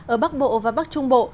ở bắc bộ và bắc trung bộ